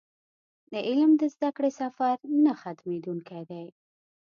د علم د زده کړې سفر نه ختمېدونکی دی.